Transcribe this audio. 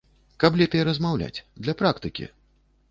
Каб лепей размаўляць, для практыкі!